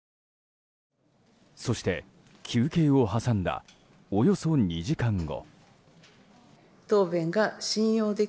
そして休憩を挟んだおよそ２時間後。